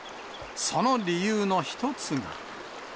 その理由の一つが。